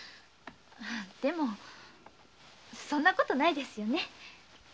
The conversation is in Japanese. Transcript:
でもそんなことないですよね。